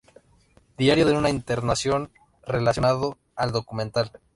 Diario de una internación," relacionado al documental.